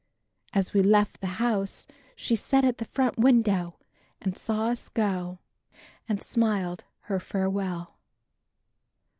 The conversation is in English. As we left the house she sat at the front window and saw us go and smiled her farewell.